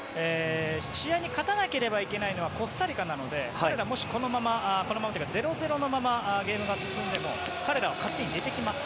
試合に勝たなければいけないのはコスタリカなのでもしこのまま０−０のままゲームが進んでも彼らは勝手に出てきます。